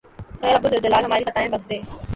اے رب ذوالجلال ھماری خطائیں بخش دے